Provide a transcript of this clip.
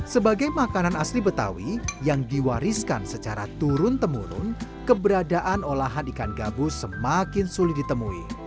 sebagai makanan asli betawi yang diwariskan secara turun temurun keberadaan olahan ikan gabus semakin sulit ditemui